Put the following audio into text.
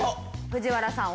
藤原さん